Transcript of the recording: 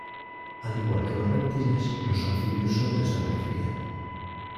Al igual que los reptiles, los anfibios son de sangre fría.